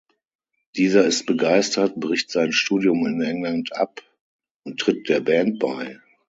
Dieser ist begeistert, bricht sein Studium in England ab und tritt der Band bei.